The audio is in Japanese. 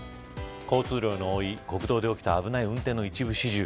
交通量の多い国道で起きた危ない運転の一部始終。